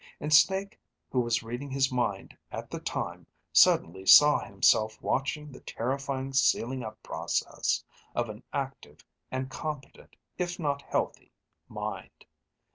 And Snake who was reading his mind at the time, suddenly saw himself watching the terrifying sealing up process of an active and competent, if not healthy, mind.